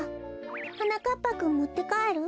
はなかっぱくんもってかえる？